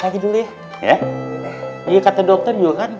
hai hai udah istirahat lagi dulu ya ya iya kata dokter juga kan